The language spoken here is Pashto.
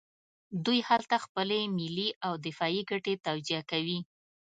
دوی هلته خپلې ملي او دفاعي ګټې توجیه کوي.